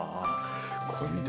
これみて。